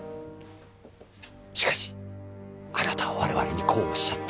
しかしあなたは我々にこうおっしゃった。